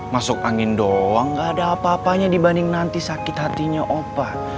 masuk angin doang gak ada apa apanya dibanding nanti sakit hatinya opa